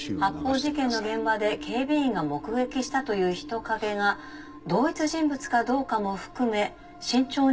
発砲事件の現場で警備員が目撃したという人影が同一人物かどうかも含め慎重に調べています。